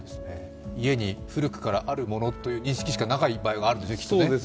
家に古くからあるものという認識しかない場合があるんでしょうねきっとね。